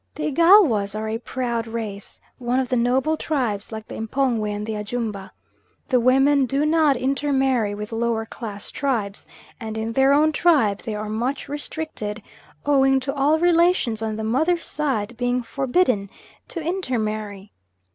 The Igalwas are a proud race, one of the noble tribes, like the M'pongwe and the Ajumba. The women do not intermarry with lower class tribes, and in their own tribe they are much restricted, owing to all relations on the mother's side being forbidden to intermarry.